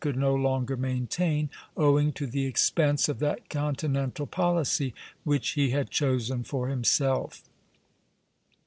could no longer maintain, owing to the expense of that continental policy which he had chosen for himself.